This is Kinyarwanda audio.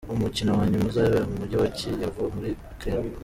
Umukino wa nyuma uzabera mu mugi wa Kyiv muri Ukraine.